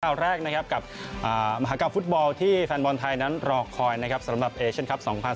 แรกนะครับกับมหากรรมฟุตบอลที่แฟนบอลไทยนั้นรอคอยนะครับสำหรับเอเชียนคลับ๒๐๑๖